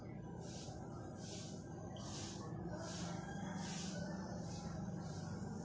เมื่อเวลาเมื่อเวลามีเวลาเมื่อเวลามีเวลาเมื่อเวลา